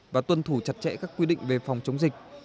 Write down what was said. và tuân thủ chặt chẽ các quy định về phòng chống dịch